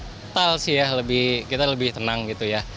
kental sih ya kita lebih tenang gitu ya